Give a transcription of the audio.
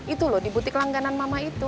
itu loh di butik langganan mama itu